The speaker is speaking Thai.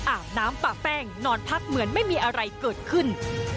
อาบน้ำปะแป้งนอนพักเหมือนไม่มีอะไรเกิดขึ้น